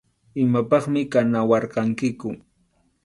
Imapaqmi kanawarqankiku.